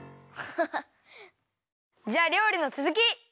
じゃありょうりのつづき！